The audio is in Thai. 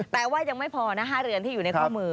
แต่ว่ายังไม่พอนะ๕เรือนที่อยู่ในข้อมือ